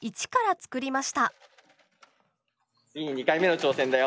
次に２回目の挑戦だよ。